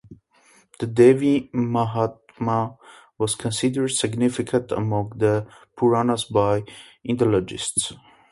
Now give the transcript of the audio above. The Devi Mahatmya was considered significant among the Puranas by Indologists.